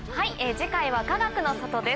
次回はかがくの里です。